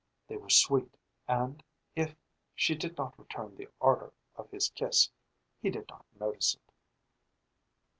They were sweet and, if she did not return the ardor of his kiss, he did not notice it.